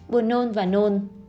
buồn nôn và nôn